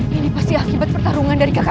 lebih baik aku sementara menghindarinya dulu